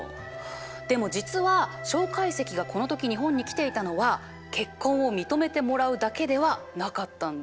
でも実は介石がこの時日本に来ていたのは結婚を認めてもらうだけではなかったんだ。